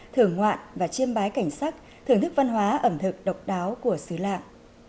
thưởng ngoạn và chiêm bái cảnh sắc thưởng thức văn hóa ẩm thực độc đáo của xứ lạng